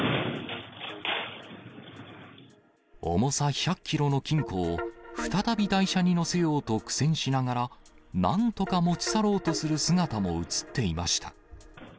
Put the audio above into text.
重さ１００キロの金庫を、再び台車に載せようと苦戦しながら、なんとか持ち去ろうとする姿も写っていました。